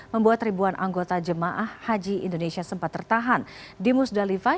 membuat ribuan anggota jemaah haji indonesia sempat tertahan di musdalifah